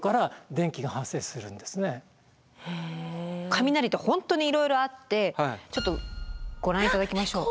雷って本当にいろいろあってちょっとご覧頂きましょう。